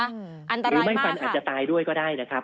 อันตรายหรือไม่ฟันอาจจะตายด้วยก็ได้นะครับ